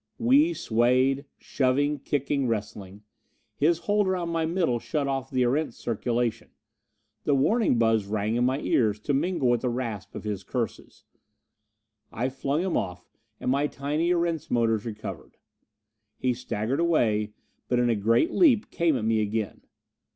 We swayed, shoving, kicking, wrestling. His hold around my middle shut off the Erentz circulation; the warning buzz rang in my ears to mingle with the rasp of his curses. I flung him off, and my tiny Erentz motors recovered. He staggered away, but in a great leap came at me again.